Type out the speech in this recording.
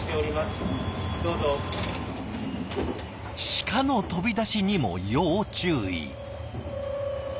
シカの飛び出しにも要注意。